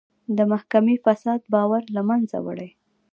د محکمې فساد باور له منځه وړي.